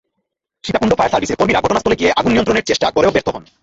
Sitakunda fire সার্ভিসের কর্মীরা ঘটনাস্থলে গিয়ে আগুন নিয়ন্ত্রণের চেষ্টা করেও ব্যর্থ হন।